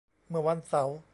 เมื่อวันเสาร์